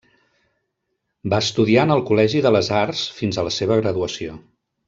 Va estudiar en el Col·legi de les Arts fins a la seva graduació.